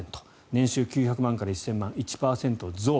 年収９００万から１０００万円１％増。